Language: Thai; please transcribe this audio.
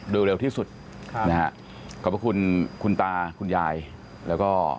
โดยเร็วที่สุดขอบคุณคุณตาคุณยายแล้วก็